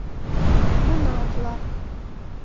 Уна-влак.